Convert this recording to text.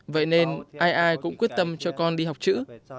vậy nên ai ai cũng quyết tâm cho con đi học chữ